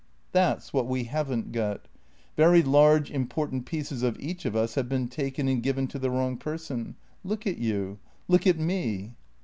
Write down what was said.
" That 's what we have n't got. Very large, important pieces of each of us have been taken and given to the wrong person. Look at you — look at me."